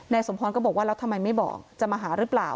สมพรก็บอกว่าแล้วทำไมไม่บอกจะมาหาหรือเปล่า